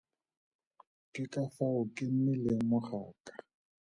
Ke ka fao ke nnileng mogaka.